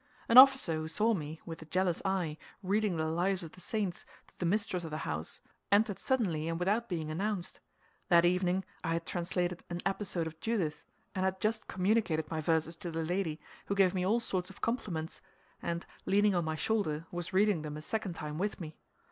An officer who saw me, with a jealous eye, reading the Lives of the Saints to the mistress of the house, entered suddenly and without being announced. That evening I had translated an episode of Judith, and had just communicated my verses to the lady, who gave me all sorts of compliments, and leaning on my shoulder, was reading them a second time with me.